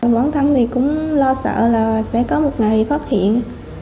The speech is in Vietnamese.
bản thắng thì cũng lo sợ là sẽ có một ngày bị phát hiện